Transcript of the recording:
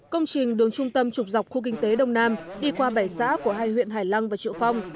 công trình đường trung tâm trục dọc khu kinh tế đông nam đi qua bảy xã của hai huyện hải lăng và triệu phong